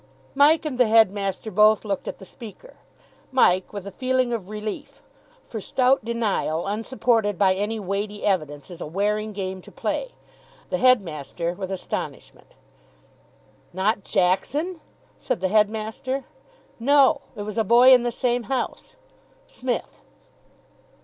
Mike and the headmaster both looked at the speaker. Mike with a feeling of relief for Stout Denial, unsupported by any weighty evidence, is a wearing game to play the headmaster with astonishment. "Not Jackson?" said the headmaster. "No. It was a boy in the same house. Smith."